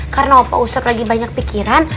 karena pak ustadz lagi banyak pikiran